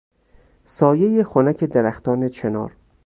سایهی خنک درختان چنار